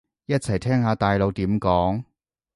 一齊聽下大佬點講